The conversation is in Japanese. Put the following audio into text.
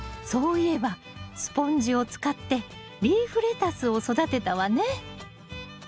そういえばスポンジを使ってリーフレタスを育てたわね。